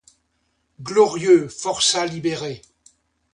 Glorieux, forçat libéré.